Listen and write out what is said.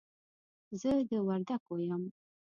زه د وردګو يم.